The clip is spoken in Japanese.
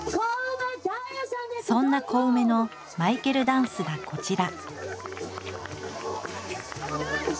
そんなコウメのマイケルダンスがこちら。